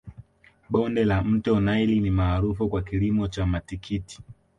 bonde la mto naili ni maarufu kwa kilimo cha matikiti